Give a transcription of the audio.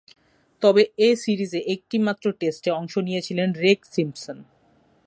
তবে, এ সিরিজে একটিমাত্র টেস্টে অংশ নিয়েছিলেন রেগ সিম্পসন।